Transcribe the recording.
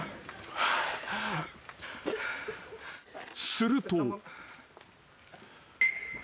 ［すると］